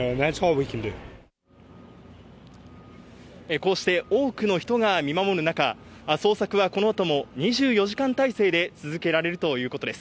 こうして多くの人が見守る中、捜索はこの後も２４時間態勢で続けられるということです。